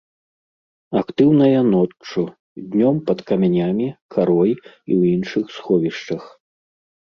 Актыўная ноччу, днём пад камянямі, карой і ў іншых сховішчах.